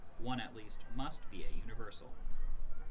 (One at least must be a universal.)